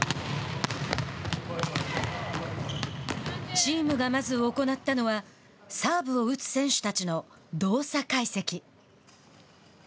チームがまず行ったのはサーブを打つ選手たちの動作解析。